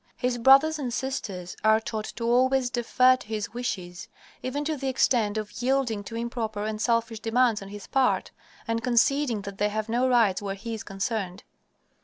His brothers and sisters are taught to always defer to his wishes; even to the extent of yielding to improper and selfish demands on his part, and conceding that they have no rights where he is concerned.